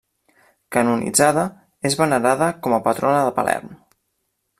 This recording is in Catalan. Canonitzada, és venerada com a patrona de Palerm.